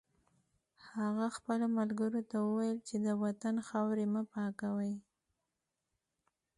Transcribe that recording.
هغه خپلو ملګرو ته وویل چې د وطن خاورې مه پاکوئ